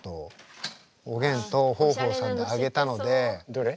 どれ？